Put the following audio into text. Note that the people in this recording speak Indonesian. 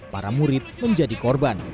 para murid menjadi korban